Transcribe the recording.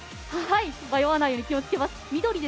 迷わないように気を付けます。